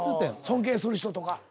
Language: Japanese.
尊敬する人とか。